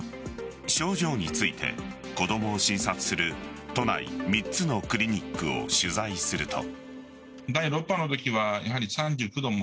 症状について子供を診察する都内３つのクリニックを取材すると。